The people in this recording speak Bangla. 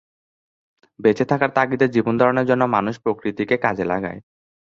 বেঁচে থাকার তাগিদে, জীবনধারনের জন্য মানুষ প্রকৃতিকে কাজে লাগায়।